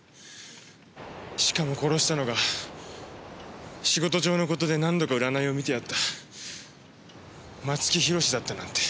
しかも殺したのが仕事上のことで何度か占いを見てやった松木弘だったなんて。